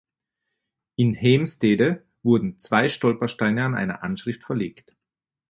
In Heemstede wurden zwei Stolpersteine an einer Anschrift verlegt.